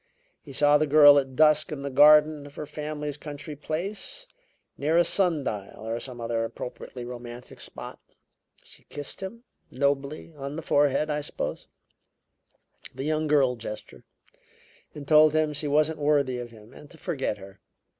He saw the girl at dusk in the garden of her family's country place; near a sun dial, or some other appropriately romantic spot. She kissed him nobly on the forehead, I suppose the young girl gesture; and told him she wasn't worthy of him and to forget her.